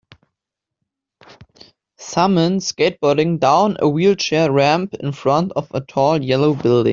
Someone skateboarding down a wheelchair ramp in front of a tall yellow building.